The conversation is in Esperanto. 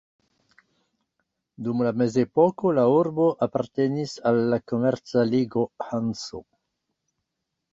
Dum la mezepoko, la urbo apartenis al la komerca ligo Hanso.